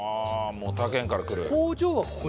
もう他県から来る。